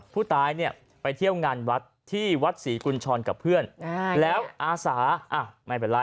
ผู้ตายเนี่ยไปเที่ยวงานวัดที่วัดศรีกุญชรกับเพื่อนแล้วอาสาไม่เป็นไร